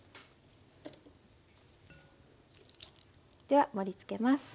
では盛りつけます。